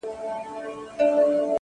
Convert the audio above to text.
• چي واکداران مو د سرونو په زاريو نه سي؛